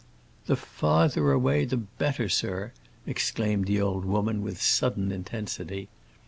"The farther away the better, sir!" exclaimed the old woman, with sudden intensity.